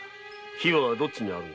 非はどっちにある？